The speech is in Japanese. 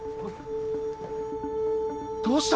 どうした！？